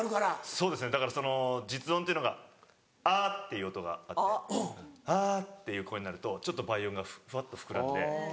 そうですねだからその実音っていうのが「ア」っていう音があって「アァ」っていう声になるとちょっと倍音がふわっと膨らんで。